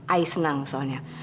ayah senang soalnya